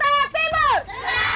senam jakarta timur